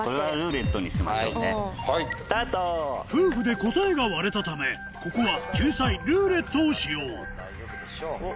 夫婦で答えが割れたためここは救済「ルーレット」を使用